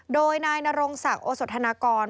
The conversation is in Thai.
โดยนายนรงศักดิ์โอสธนากร